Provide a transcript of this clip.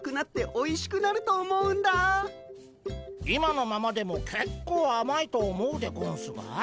今のままでもけっこうあまいと思うでゴンスが。